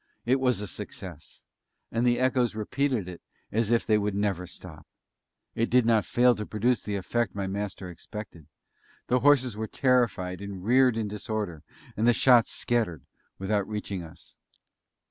It was a success; and the echoes repeated it as if they would never stop. It did not fail to produce the effect my Master expected. The horses were terrified and reared in disorder, and the shots scattered, without reaching us.